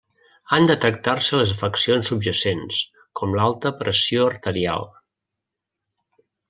Han de tractar-se les afeccions subjacents, com l'alta pressió arterial.